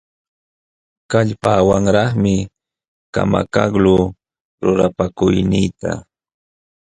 Kallpawanlaqmi kamakaqluu lulapakuyniita.